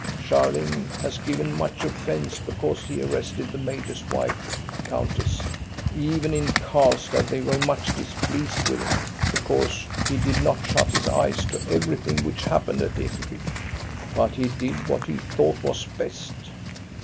Scharling has given much offence because he arrested the major's wife, countess. Even in Karlstad they were much displeased with him, because he did not shut his eyes to everything which happened at Ekeby ; but he did what he thought was best."